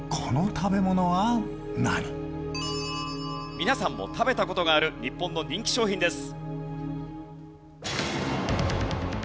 皆さんも食べた事がある日本の人気商品です。